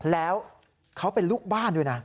แล้วเขาเป็นลูกบ้านด้วยนะ